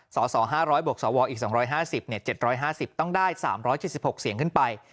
สส๕๐๐บวกสวอีก๒๕๐๗๕๐ต้องได้๓๗๖เสียงขึ้นไป